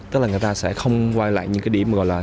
tức là người ta sẽ không quay lại những điểm